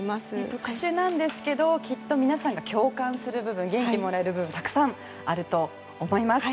特殊なんですけどきっと皆さんが共感する部分、元気もらえる部分たくさんあると思います。